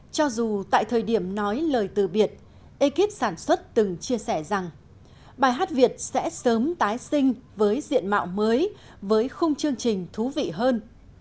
cho dù tại thời điểm nói lời từ biệt ekip sản xuất từng chia sẻ rằng bài hát việt sẽ sớm tái sinh với diện mạo mới với khung chương trình thú vị hơn